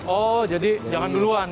oh jadi jangan duluan